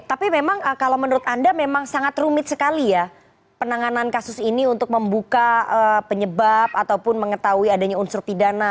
tapi memang kalau menurut anda memang sangat rumit sekali ya penanganan kasus ini untuk membuka penyebab ataupun mengetahui adanya unsur pidana